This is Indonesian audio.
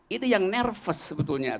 ide yang nervous sebetulnya